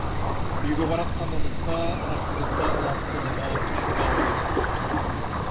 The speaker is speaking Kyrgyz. Үйгө баратканыбызда артыбыздан автоунаа түшүп алды.